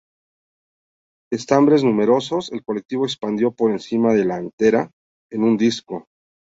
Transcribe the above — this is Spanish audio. Estambres numerosos, el conectivo expandido por encima de la antera en un disco.